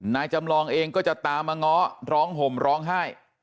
นายจำลองเองก็จะตามมาง้อร้องห่มร้องไห้